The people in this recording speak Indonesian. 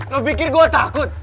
lo pikir gua takut